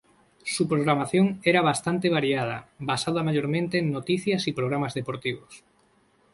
Su programación era bastante variada, basada mayormente en noticias y programas deportivos.